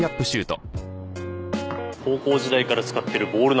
高校時代から使ってるボールなんです。